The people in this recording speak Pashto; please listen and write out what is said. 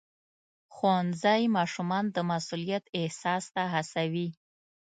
ښوونځی ماشومان د مسؤلیت احساس ته هڅوي.